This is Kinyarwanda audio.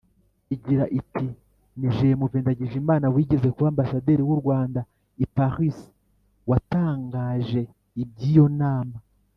igira iti: ni jmv ndagijimana wigeze kuba ambasaderi w’u rwanda i parisi watangaje iby'iyo nama.